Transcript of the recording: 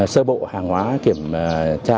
sơ bộ hàng hóa kiểm tra